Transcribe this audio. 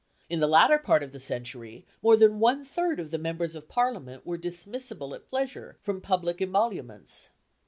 In the latter part of the century, more than one third of the members of Parliament were dismissible at pleasure from public emoluments.